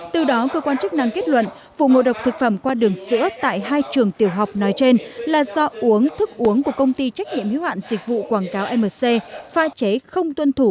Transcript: từ đó cơ quan chức năng kết luận vụ ngộ độc thực phẩm qua đường sữa tại hai trường tiểu học nói trên là do uống thức uống của công ty trách nhiệm hiếu hạn dịch vụ quảng cáo mc pha chế không tuân thủ